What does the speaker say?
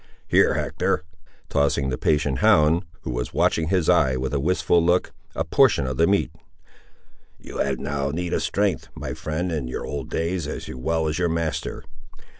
Here, Hector," tossing the patient hound, who was watching his eye with a wistful look, a portion of the meat, "you have need of strength, my friend, in your old days as well as your master.